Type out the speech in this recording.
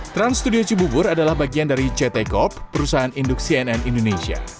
trans studio cibubur adalah bagian dari ct corp perusahaan induk cnn indonesia